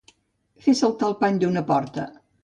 Fer saltar el pany d'una porta.